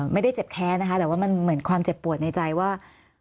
ไม่ได้เจ็บแค้นนะคะแต่ว่ามันเหมือนความเจ็บปวดในใจว่า